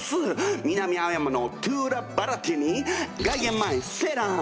南青山のトゥーラ・バラッティに外苑前ＳＥＬＡＮ